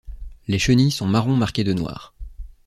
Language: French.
Les chenilles sont marron marquées de noir.